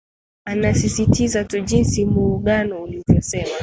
atasisitiza tu jinsi muugano uliovysema